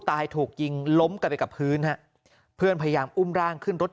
ถูกยิงล้มกันไปกับพื้นฮะเพื่อนพยายามอุ้มร่างขึ้นรถ